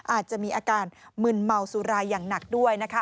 อาจจะมีอาการมึนเมาสุรายอย่างหนักด้วยนะคะ